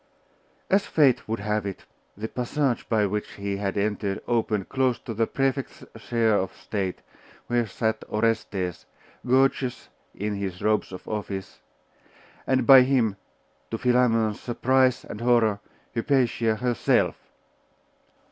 As fate would have it, the passage by which he had entered opened close to the Prefect's chair of state, where sat Orestes, gorgeous in his robes of office, and by him to Philammon's surprise and horror Hypatia herself.